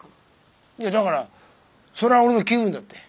いやだからそれは俺の気分だって。